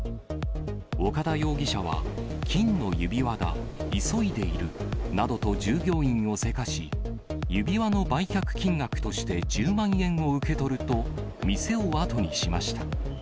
岡田容疑者は、金の指輪だ、急いでいるなどと従業員をせかし、指輪の売却金額として１０万円を受け取ると、店を後にしました。